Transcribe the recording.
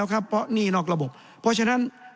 แสดงว่าความทุกข์มันไม่ได้ทุกข์เฉพาะชาวบ้านด้วยนะ